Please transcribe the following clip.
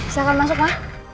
silahkan masuk ma